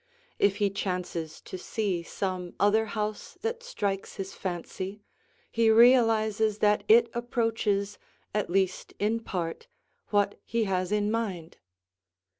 If he chances to see some other house that strikes his fancy, he realizes that it approaches, at least in part, what he has in mind.